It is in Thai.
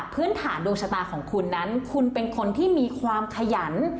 พื้นฐานดวงชะตาของคุณนั้นคุณเป็นคนที่มีความขยัน